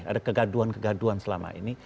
ada kegaduan kegaduan selama ini